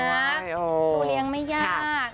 ตัวเรียงไม่ยาก